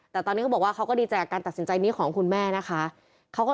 แต่ตอนนี้เขาบอกว่าเขาก็ดีใจกับการตัดสินใจนี้ของคุณแม่นะคะ